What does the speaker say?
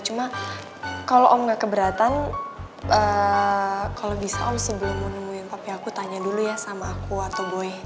cuma kalau om gak keberatan kalau bisa om sebelum nemuin tapi aku tanya dulu ya sama aku atau boy